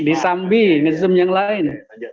di sambi nisem yang lain